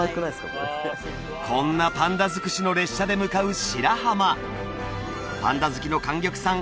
これこんなパンダづくしの列車で向かう白浜パンダ好きの莟玉さん